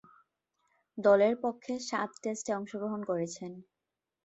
দলের পক্ষে সাত টেস্টে অংশগ্রহণ করেছেন।